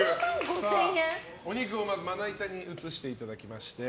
お肉をまずまな板に移していただきまして。